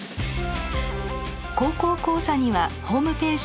高校講座にはホームページがあります。